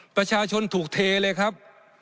ประชาชนถูกเทเลยครับ